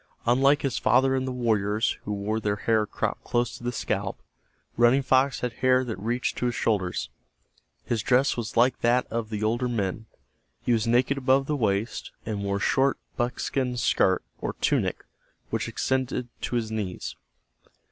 Unlike his father and the warriors, who wore their hair cropped close to the scalp, Running Fox had hair that reached to his shoulders. His dress was like that of the older men. He was naked above the waist, and wore a short buckskin skirt or tunic which extended to his knees.